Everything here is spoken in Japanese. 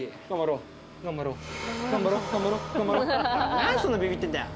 何でそんなビビってんだよ！